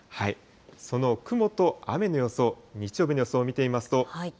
その雲と雨の予想、日曜日の予想を見てみますと。